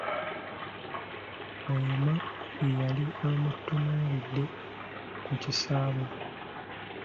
Muyima yeeyali amutuulidde ku kisaabo.